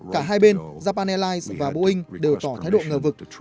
cả hai bên japan airlines và boeing đều tỏ thái độ ngờ vực